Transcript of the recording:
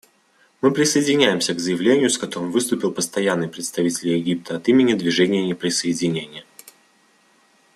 Мы присоединяемся к заявлению, с которым выступил Постоянный представитель Египта от имени Движения неприсоединения.